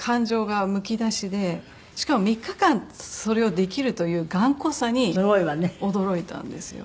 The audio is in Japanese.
しかも３日間それをできるという頑固さに驚いたんですよ。